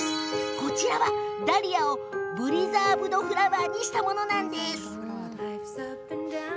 ダリアをプリザーブドフラワーにしたものなんです。